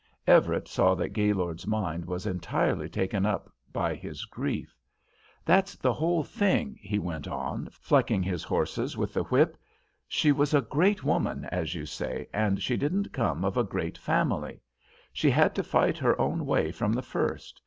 Everett saw that Gaylord's mind was entirely taken up by his grief. "That's the whole thing," he went on, flecking his horses with the whip. "She was a great woman, as you say, and she didn't come of a great family. She had to fight her own way from the first.